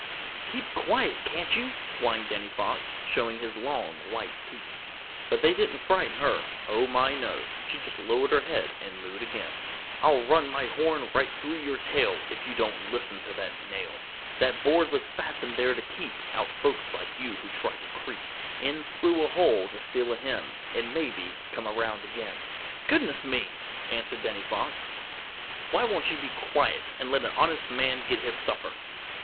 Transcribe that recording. "Keep quiet, can't you?" whined Danny Fox, showing his long white teeth. But they didn't frighten her. Oh, my, no! She just lowered her head and mooed again. "I'll run my horn right through your tail If you don't listen to that nail. That board was fastened there to keep Out folks like you who try to creep In through a hole to steal a hen, And maybe come around again." "Goodness me!" answered Danny Fox, "won't you be quiet and let an honest man get his supper?"